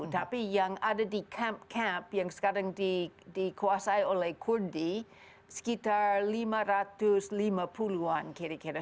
tapi yang ada di kamp kamp yang sekarang dikuasai oleh kurdi sekitar lima ratus lima puluhan kira kira